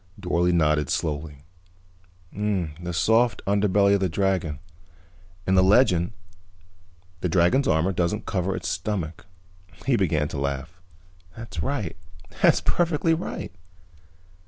Dorle nodded slowly. "The soft underbelly of the dragon. In the legend, the dragon's armor doesn't cover its stomach." He began to laugh. "That's right. That's perfectly right."